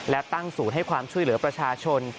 และตั้งศูนย์ให้ความช่วยเหลือประชาชน